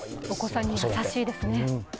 お子さんに優しいですね。